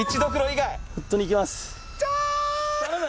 頼む！